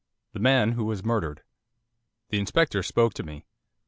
THE MAN WHO WAS MURDERED The Inspector spoke to me.